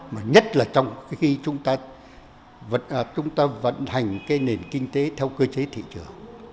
mà nhất là trong khi chúng ta vận hành cái nền kinh tế theo cơ chế thị trường